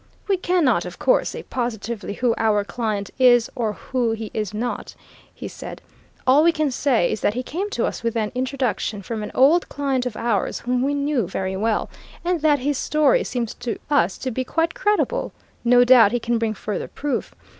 "We cannot, of course, say positively who our client is or who he is not," he said. "All we can say is that he came to us with an introduction from an old client of ours whom we knew very well, and that his story seems to us to be quite credible. No doubt he can bring further proof.